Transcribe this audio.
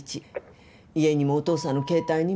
家にもおとうさんの携帯にも。